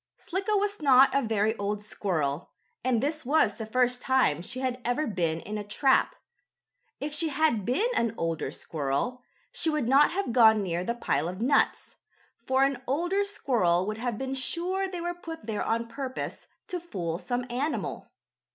Slicko was not a very old squirrel, and this was the first time she had ever been in a trap. If she had been an older squirrel, she would not have gone near the pile of nuts, for an older squirrel would have been sure they were put there on purpose to fool some animal.